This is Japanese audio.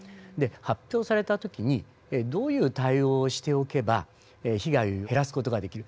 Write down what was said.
発表された時にどういう対応をしておけば被害を減らす事ができる。